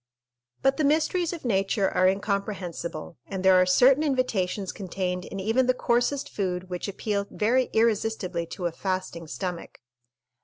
But the mysteries of nature are incomprehensible, and there are certain invitations contained in even the coarsest food which appeal very irresistibly to a fasting stomach.